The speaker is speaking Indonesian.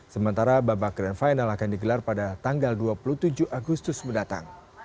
sementara babak grand final akan digelar pada tanggal dua puluh tujuh agustus mendatang